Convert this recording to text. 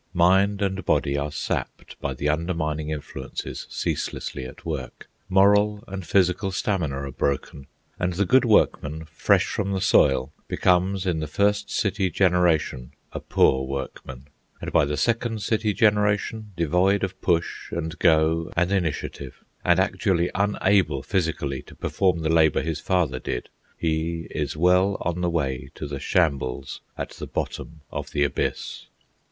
Mind and body are sapped by the undermining influences ceaselessly at work. Moral and physical stamina are broken, and the good workman, fresh from the soil, becomes in the first city generation a poor workman; and by the second city generation, devoid of push and go and initiative, and actually unable physically to perform the labour his father did, he is well on the way to the shambles at the bottom of the Abyss.